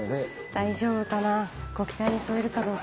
大丈夫かなご期待に添えるかどうか。